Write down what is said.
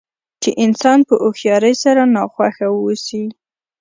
چې انسان په هوښیارۍ سره ناخوښه واوسي.